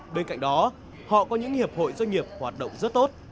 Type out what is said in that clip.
bên cạnh đó họ có những hiệp hội doanh nghiệp hoạt động rất tốt